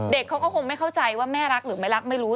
เขาก็คงไม่เข้าใจว่าแม่รักหรือไม่รักไม่รู้